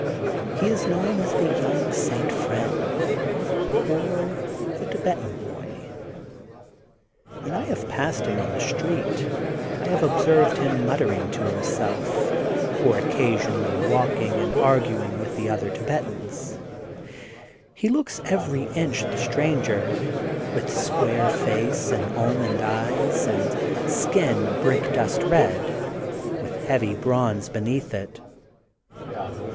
He is known as the ^^ young St. Friend ^^ or the Thibetan boy. When I have passed him on the street, I have observed him muttering to himself or occa sionally walking and arguing with the other Thibetans. He looks every inch the stranger, mth square face and almond eyes, and skin brickdust red, with heavy bronze beneath it.